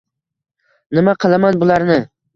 Nima qilaman bularni?